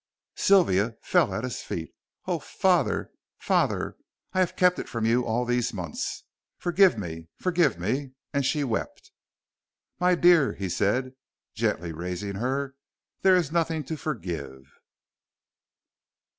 Sylvia fell at his feet. "Oh, father father, and I have kept it from you all these months. Forgive me forgive me," and she wept. "My dear," he said, gently raising her, "there is nothing to forgive."